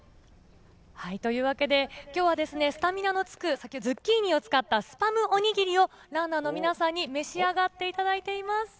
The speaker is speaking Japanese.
今日はスタミナがつくズッキーニを使ったスパムおにぎりをランナーの皆さんに召し上がっていただいています。